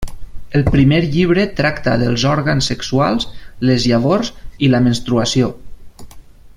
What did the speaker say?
El primer llibre tracta dels òrgans sexuals, les llavors i la menstruació.